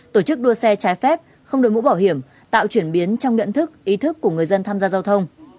tổ chức đua xe trái phép không đổi mũ bảo hiểm tạo chuyển biến trong nhận thức ý thức của người dân tham gia giao thông